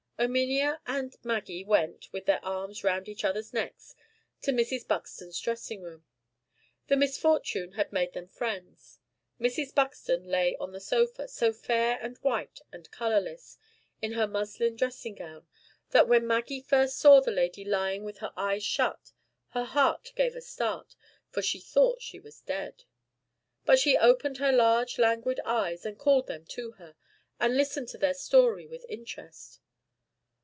Erminia and Maggie went, with their arms round each other's necks, to Mrs. Buxton's dressing room. The misfortune had made them friends. Mrs. Buxton lay on the sofa; so fair and white and colorless, in her muslin dressing gown, that when Maggie first saw the lady lying with her eyes shut, her heart gave a start, for she thought she was dead. But she opened her large languid eyes, and called them to her, and listened to their story with interest.